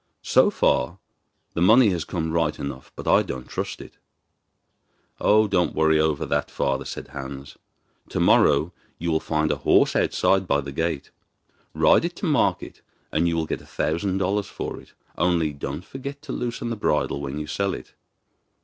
'So far the money has come right enough, but I don't trust it.' 'Don't worry over that, father,' said Hans. 'To morrow you will find a horse outside by the gate. Ride it to market and you will get a thousand dollars for it. Only don't forget to loosen the bridle when you sell it.